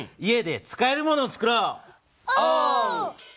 お！